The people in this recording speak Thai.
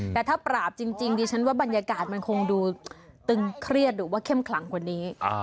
แต่ถ้าปราบจริงดิฉันว่าบรรยากาศมันคงดูตึงเครียดหรือว่าเข้มขลังกว่านี้